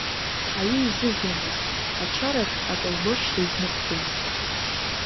Аҩы изыжәуамызт, ачараҿ атолбошьра изныҟәгомызт.